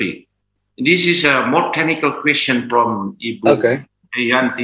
ini adalah pertanyaan teknis yang lebih dari ibu yanti